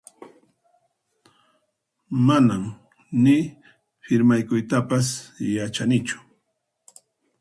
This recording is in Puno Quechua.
Manan ni firmaykuytapas yachanichu